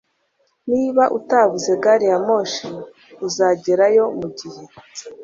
niba utabuze gari ya moshi, uzagerayo mugihe